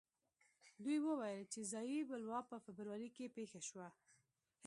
دوی وویل چې ځايي بلوا په فبروري کې پېښه شوه.